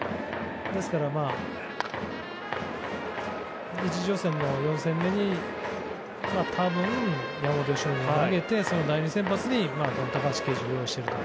ですから１次予選の４戦目に多分、山本由伸が投げてその第２先発に高橋奎二を用意していると。